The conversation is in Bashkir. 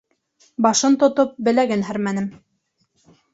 Башын тотоп, беләген һәрмәнем.